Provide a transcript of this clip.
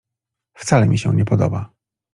Wcale mi się nie podoba.